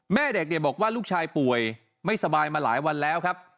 แม่เด็กบอกว่าลูกชายป่วยไม่สบายมาหลายวันแล้วครับ